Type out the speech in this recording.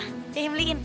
ya yang beliin